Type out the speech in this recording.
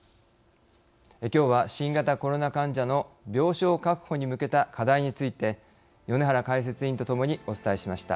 きょうは新型コロナ患者の病床確保に向けた課題について米原解説委員とともにお伝えしました。